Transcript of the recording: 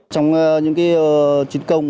trong những chiến công